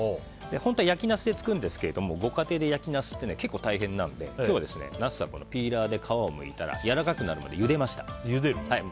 本当は焼きナスで作るんですけどご家庭で焼きナスって結構大変なので、今日はナスはピーラーで皮をむいたらやわらかくなるまでゆでました。